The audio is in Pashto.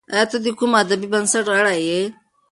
ایا ته د کوم ادبي بنسټ غړی یې؟